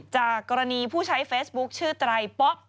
จากกรณีผู้ใช้เฟซบุ๊คชื่อไตรป๊อก